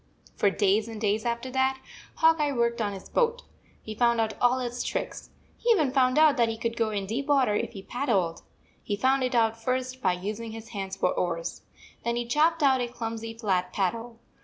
For days and days after that, Hawk Eye worked on his boat. He found out all its tricks. He even found out that he could go in deep water if he paddled. He found it out first by using his hands for oars. Then he chopped out a clumsy flat paddle.